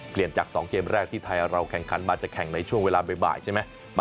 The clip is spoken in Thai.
เปลี่ยนจาก๒เกมแรกที่ไทยเราแข่งขันมาจะแข่งในช่วงเวลาบ่ายใช่ไหม